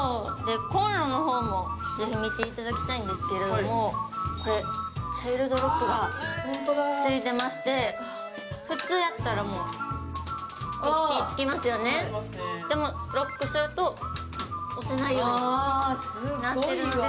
こんろの方も是非見ていただきたいんですけれどもこれ、チャイルドロックがついてましてこっちやったら、もう火つきますよねでもロックすると押せないようになっているんです。